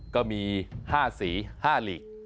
ก็มี๕สี๕หลีก